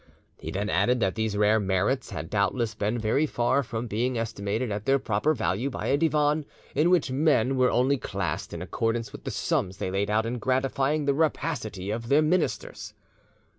He then added that these rare merits had doubtless been very far from being estimated at their proper value by a Divan in which men were only classed in accordance with the sums they laid out in gratifying the rapacity of the ministers.